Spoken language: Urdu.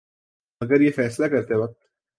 مگر یہ فیصلہ کرتے وقت